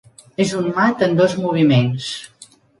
És un mat en dos moviments.